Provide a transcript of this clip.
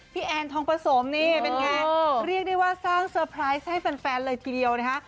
แอนทองประสมนี่เป็นไงเรียกได้ว่าสร้างเซอร์ไพรส์ให้แฟนเลยทีเดียวนะคะ